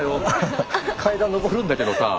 階段上るんだけどさぁ。